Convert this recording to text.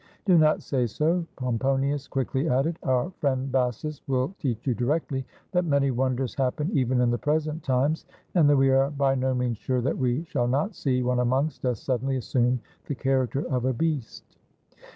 "Do not say so," Pomponius quickly added; "our friend Bassus will teach you directly that many won ders happen even in the present times, and that we are by no means sure that we shall not see one amongst us suddenly assume the character of a beast."